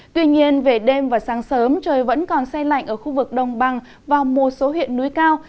tuy nhiên về đêm và sáng sớm trời vẫn còn say lạnh ở khu vực đồng bằng và một số huyện núi cao